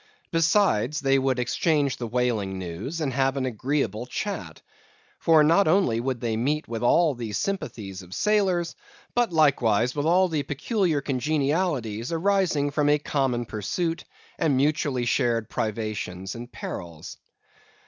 Besides, they would exchange the whaling news, and have an agreeable chat. For not only would they meet with all the sympathies of sailors, but likewise with all the peculiar congenialities arising from a common pursuit and mutually shared privations and perils.